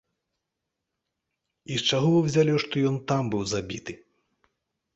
І з чаго вы ўзялі, што ён там быў забіты?